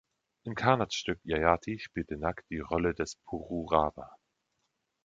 In Karnads Stück „Yayati“ spielte Nag die Rolle des Pururava.